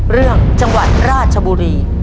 เรื่องจังหวัดราชบุรี